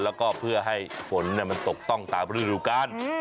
แล้วก็เพื่อให้ฝนมันตกต้องตามฤดูกาล